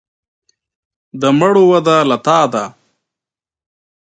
د مړو وده له تا ده.